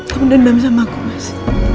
kamu dendam sama kumas